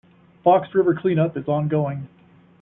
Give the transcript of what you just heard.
Fox River clean up is ongoing.